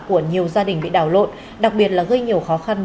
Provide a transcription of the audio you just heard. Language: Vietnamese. của nhiều gia đình bị đảo lộn đặc biệt là gây nhiều khó khăn